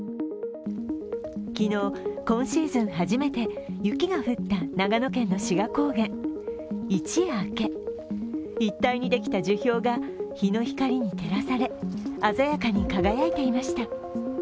昨日、今シーズン初めて雪が降った長野県の志賀高原、一夜明け、一帯にできた樹氷が日の光に照らされ鮮やかに輝いていました。